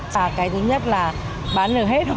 và cái thứ nhất là bán được hết hoa